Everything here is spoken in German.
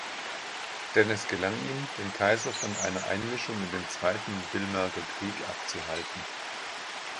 Denn es gelang ihm, den Kaiser von einer Einmischung in den Zweiten Villmergerkrieg abzuhalten.